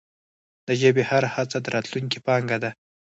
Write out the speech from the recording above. د ژبي هره هڅه د راتلونکې پانګه ده.